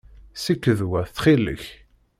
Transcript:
Ssiked wa, ttxil-k.